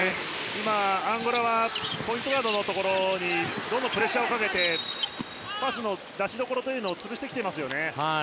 アンゴラはポイントガードのところにどんどんプレッシャーをかけてパスの出しどころを潰してきていますよね。